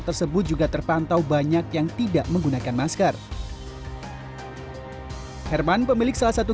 tersebut juga terpantau banyak yang tidak menggunakan masker herman pemilik salah satu